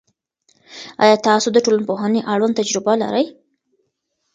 آیا تاسو د ټولنپوهنې اړوند تجربه لرئ؟